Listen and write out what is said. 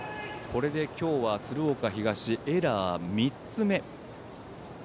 これで今日は鶴岡東エラー３つ目。